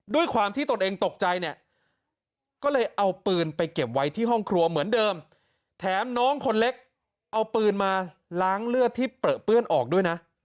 ด้วยความที่ตนเองตกใจเนี่ยก็เลยเอาปืนไปเก็บไว้ที่ห้องครัวเหมือนเดิมแถมน้องคนเล็กเอาปืนมาล้างเลือดที่เปลือเปื้อนออกด้วยนะ